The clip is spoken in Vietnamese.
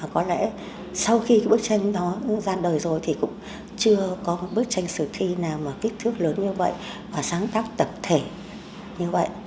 có lẽ sau khi bức tranh đó ra đời rồi thì cũng chưa có một bức tranh sử thi nào mà kích thước lớn như vậy và sáng tác tập thể như vậy